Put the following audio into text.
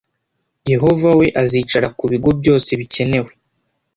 yehova we azicara ku bigo byose bicyenewe